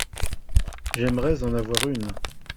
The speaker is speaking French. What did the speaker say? J'aimerais en avoir une.